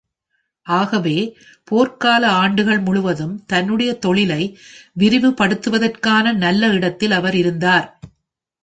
ஆகவே, போர்க்கால ஆண்டுகள் முழுவதும் தன்னுடைய தொழிலை விரிவுபடுத்துவதற்கான நல்ல இடத்தில் அவர் இருந்தார்.